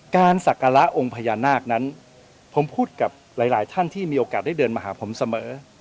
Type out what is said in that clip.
ศักระองค์พญานาคนั้นผมพูดกับหลายท่านที่มีโอกาสได้เดินมาหาผมเสมอ